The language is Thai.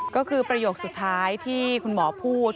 ก็คือประโยคสุดท้ายที่คุณหมอพูด